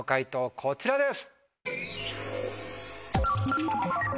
こちらです。